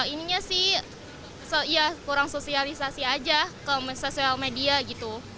ininya sih ya kurang sosialisasi aja ke sosial media gitu